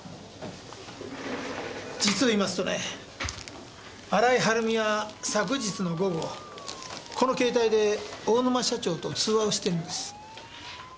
実を言いますとね新井はるみは昨日の午後この携帯で大沼社長と通話をしてるんです。